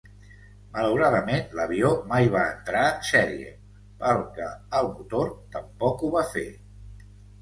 Malauradament, l'avió mai va entrar en sèrie, pel que el motor, tampoc ho va fer.